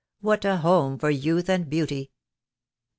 What a home for youth and beauty!"